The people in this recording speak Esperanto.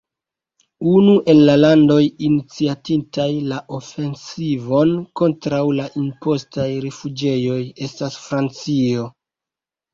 Unu el la landoj iniciatintaj la ofensivon kontraŭ la impostaj rifuĝejoj estas Francio.